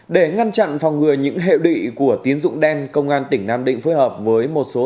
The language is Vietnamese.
để ngăn chặn phòng ngừa những hệ lụy của tín dụng đen công an tỉnh nam định phối hợp với một số